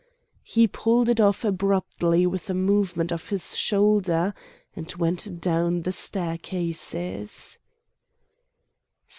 He pulled it off abruptly with a movement of his shoulder and went down the staircases.